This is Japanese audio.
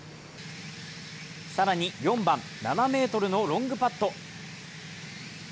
更に４番、７ｍのロングパット。